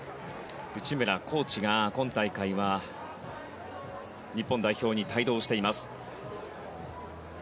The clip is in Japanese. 内村コーチが、今大会は日本代表に帯同しています。